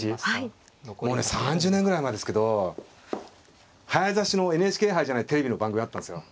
もうね３０年ぐらい前ですけど早指しのＮＨＫ杯じゃないテレビの番組あったんですよ。